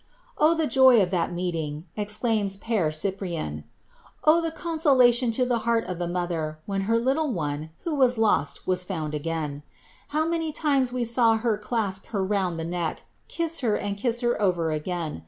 ^ Oh, the joy of that meeting '^^ exclaims Pere Cyprian — ^oh, the consolation to the heart of the mother when her little one who was lost was found again I How many times we saw her clasp her round the neck, kiss her and kiss her over again.